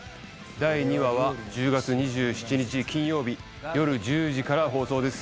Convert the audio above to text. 第２話は１０月２７日金曜日よる１０時から放送です